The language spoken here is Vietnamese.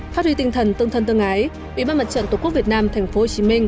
phát huy tinh thần tương thân tương ái ủy ban mặt trận tổ quốc việt nam tp hcm